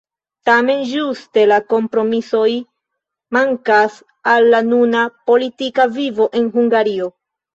Tamen ĝuste kompromisoj mankas al la nuna politika vivo en Hungario.